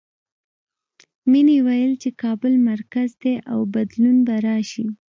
مینې ویل چې کابل مرکز دی او بدلون به راشي